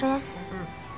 うん。